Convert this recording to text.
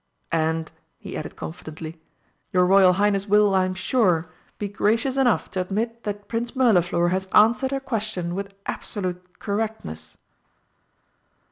And," he added confidently, "your Royal Highness will, I am sure, be gracious enough to admit that Prince Mirliflor has answered her question with absolute correctness."